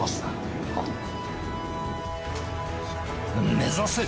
目指せ！